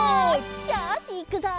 よしいくぞ！